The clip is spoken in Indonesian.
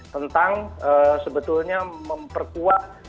tentang sebetulnya memperkuat